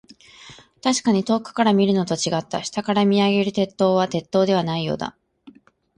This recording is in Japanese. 確かに遠くから見るのと、違った。下から見上げる鉄塔は、鉄塔ではないようだ。